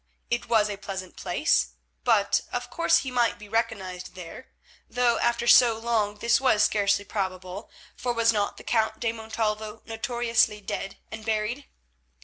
It was a pleasant place, but, of course, he might be recognised there; though, after so long, this was scarcely probable, for was not the Count de Montalvo notoriously dead and buried?